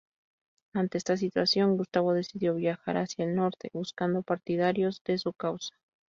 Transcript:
Ante esta situación Gustavo decidió viajar hacia el Norte, buscando partidarios de su causa.